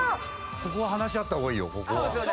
ここは話し合った方がいいよ